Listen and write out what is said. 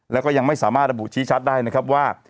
แล้วก็ยังไม่สามารถระบุชี้ชัดได้นะครับว่า